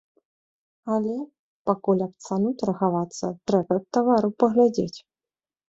Але, пакуль аб цану таргавацца, трэба б тавару паглядзець.